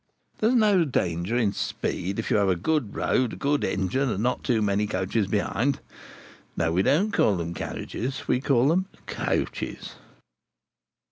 There's no danger in speed if you have a good road, a good engine, and not too many coaches behind. No, we don't call them carriages, we call them 'coaches.